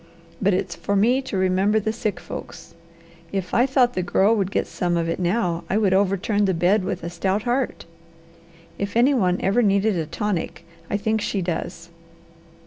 But it's for me to remember the sick folks! If I thought the Girl would get some of it now, I could overturn the bed with a stout heart. If any one ever needed a tonic, I think she does.